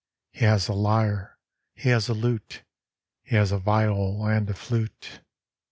He has a lyre ; he has a lute ; He has a viol and a flute.